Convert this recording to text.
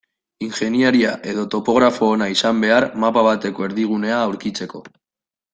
Ingeniaria edo topografo ona izan behar mapa bateko erdigunea aurkitzeko.